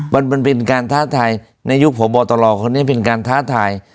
มันมันเป็นการท้าทายในยุคพบตรคนนี้เป็นการท้าทาย